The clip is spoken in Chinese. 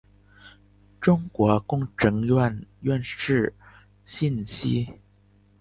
中国工程院院士信息